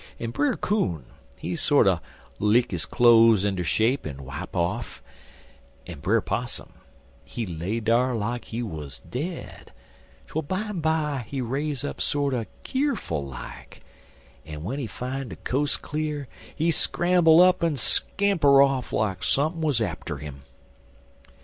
En Brer Coon, he sorter lick his cloze inter shape en rack off, en Brer Possum, he lay dar like he wuz dead, twel bimeby he raise up sorter keerful like, en w'en he fine de coas' cle'r he scramble up en scamper off like sumpin' was atter 'im."